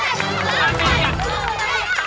wih ustadz sama siapa tuh